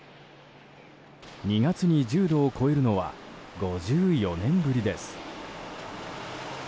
２月に１０度を超えるのは５４年ぶりです。